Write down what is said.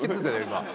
今。